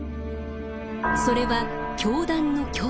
それは教団の教祖。